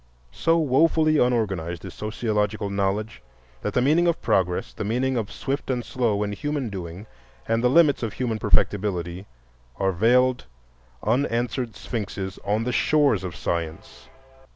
So wofully unorganized is sociological knowledge that the meaning of progress, the meaning of "swift" and "slow" in human doing, and the limits of human perfectability, are veiled, unanswered sphinxes on the shores of science.